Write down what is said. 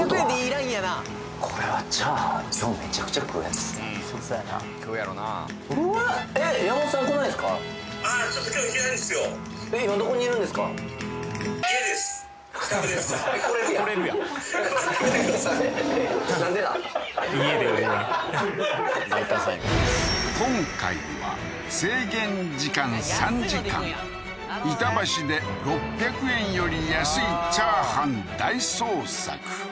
ライターさんやから今回は制限時間３時間板橋で６００円より安いチャーハン大捜索